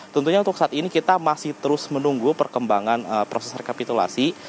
tentunya untuk saat ini kita masih terus menunggu perkembangan proses rekapitulasi